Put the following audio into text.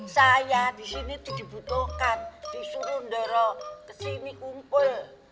saya disini dibutuhkan disuruh ndero kesini kumpul